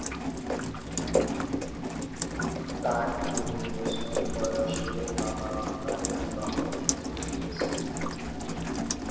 তার তিন বছর বয়সে বাবা-মার বিবাহ বিচ্ছেদ হয়েছিল।